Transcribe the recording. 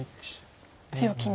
強気に。